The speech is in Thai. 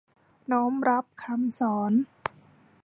น้อมรับคำสอน